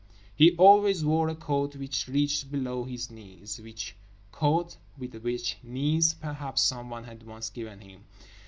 He always wore a coat which reached below his knees, which coat, with which knees, perhaps someone had once given him.